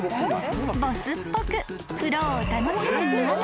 ［ボスっぽく風呂を楽しむ鶏］